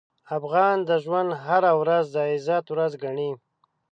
افغان د ژوند هره ورځ د عزت ورځ ګڼي.